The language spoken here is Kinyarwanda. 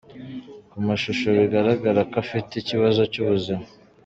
Ku mashusho bigaragara ko afite ikibazo cy’ubuzima